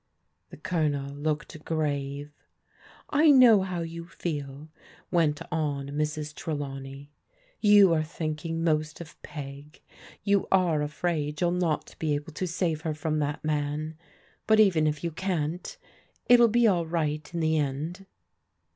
The Colonel looked grave. I know how you feel," went on Mrs. Trdawney. You are thinking most of Peg. You are afraid you'll not be able to save her from that man. But even if yoti can't, it'll be all right m the end."